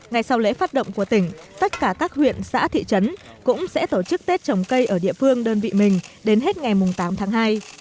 ngày sau lễ phát động của tỉnh tất cả các huyện xã thị trấn cũng sẽ tổ chức tết trồng cây ở địa phương đơn vị mình đến hết ngày tám tháng hai